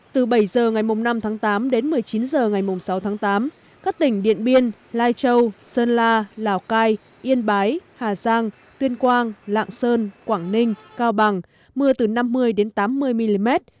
từ bảy h ngày năm tháng tám đến một mươi chín h ngày sáu tháng tám các tỉnh điện biên lai châu sơn la lào cai yên bái hà giang tuyên quang lạng sơn quảng ninh cao bằng mưa từ năm mươi đến tám mươi mm